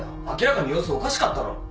明らかに様子おかしかったろ。